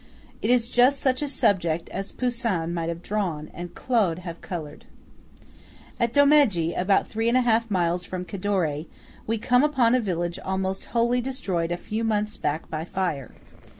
It is just such a subject as Poussin might have drawn, and Claude have coloured. At Domegge, about three and a half miles from Cadore, we come upon a village almost wholly destroyed a few months back by fire.